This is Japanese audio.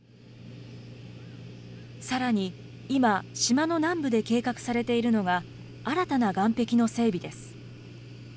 さらに今、島の南部で計画されているのが、新たな岸壁の整備です。